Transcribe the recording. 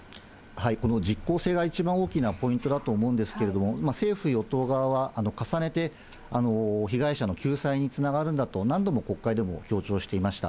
この実効性が一番大きなポイントだと思うんですけれども、政府・与党側は重ねて、被害者の救済につながるんだと、何度も国会でも強調していました。